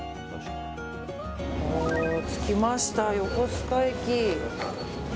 着きました、横須賀駅。